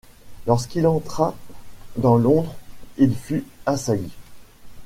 Lorsqu'il entra dans Londres, il fut assailli.